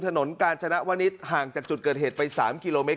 ถนนกาญจนวนิษฐ์ห่างจากจุดเกิดเหตุไป๓กิโลเมต